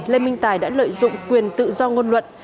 lê minh tài đã lợi dụng quyền tự do ngôn luận